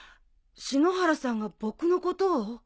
篠原さんが僕のことを？